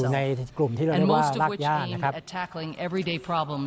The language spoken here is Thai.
และพระราธิพระโดยกำลังเพื่อพยายาม